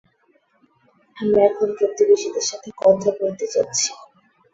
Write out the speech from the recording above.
আমরা এখন প্রতিবেশীদের সাথে কথা বলতে যাচ্ছি।